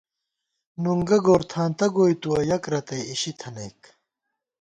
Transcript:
نُنگہ گورتھانتہ گوئی تُوَہ یَک رتئ اِشی تھَنَئیک